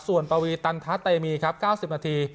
ส่วนปวีตันทะเตมีครับ๙๐นาที